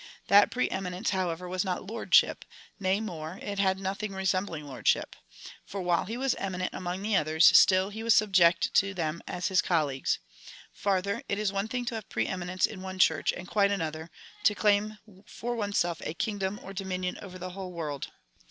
That pre eminence, however, was not lordship — nay more, it had no thing resembling lordship. For Avhile he was eminent among the others, still he was subject to them as his colleagues. Farther, it is one thing to have pre eminence in one Church, and quite another, to claim for one's self a kingdom or domi nion over the whole world.